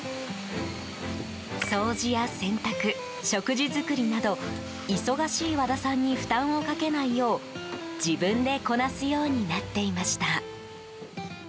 掃除や洗濯、食事作りなど忙しい和田さんに負担をかけないよう自分でこなすようになっていました。